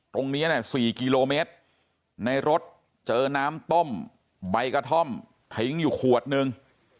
ตรงนี้๔กิโลเมตรในรถเจอน้ำต้มใบกระท่อมทิ้งอยู่ขวดนึง